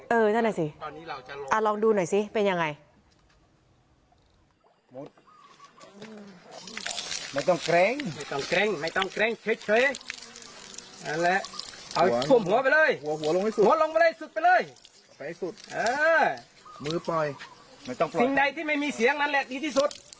เออนั่นหน่อยสิลองดูหน่อยสิเป็นยังไง